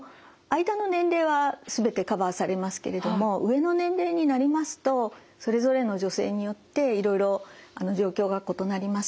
間の年齢は全てカバーされますけれども上の年齢になりますとそれぞれの女性によっていろいろ状況が異なります。